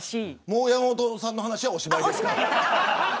もう山本さんの話はおしまいですか。